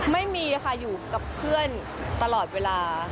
ไม่มีค่ะอยู่กับเพื่อนตลอดเวลา